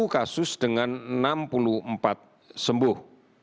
satu kasus dengan enam puluh empat sembuh